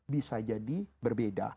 bisa jadi berbeda